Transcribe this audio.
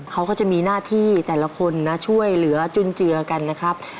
เขาก็จะมีหน้าที่แต่ละคนนะช่วยเหลือจุนเจือกันนะครับ